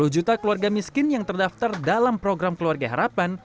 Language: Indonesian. sepuluh juta keluarga miskin yang terdaftar dalam program keluarga harapan